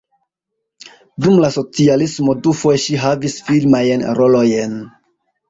Dum la socialismo dufoje ŝi havis filmajn rolojn.